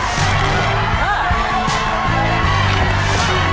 เผื่อไงถ้าเนี้ย